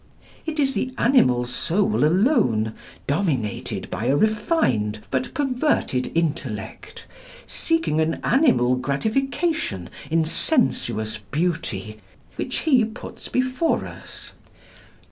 It is the animal soul alone, dominated by a refined but perverted intellect, seeking an animal gratification in sensuous beauty, which he puts before us.